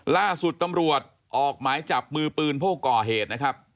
ล่าสุดตำรวจออกไม้จับมือปืนโภคกรเหตุ